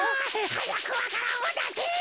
はやくわか蘭をだせ！